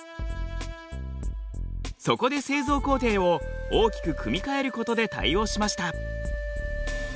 そこで製造工程を大きく組み替えることで対応しました。